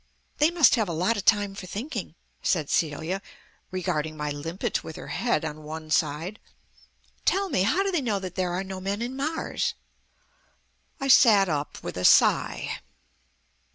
"They must have a lot of time for thinking," said Celia, regarding my limpet with her head on one side. "Tell me, how do they know that there are no men in Mars?" I sat up with a sigh.